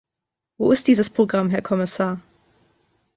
Wo ist dieses Programm, Herr Kommissar?